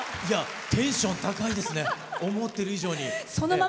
テンション高いですね思ってる以上に。